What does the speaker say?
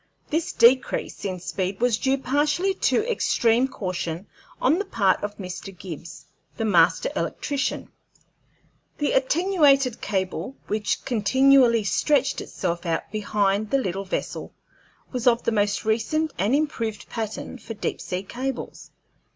This decrease in speed was due partially to extreme caution on the part of Mr. Gibbs, the Master Electrician. The attenuated cable, which continually stretched itself out behind the little vessel, was of the most recent and improved pattern for deep sea cables.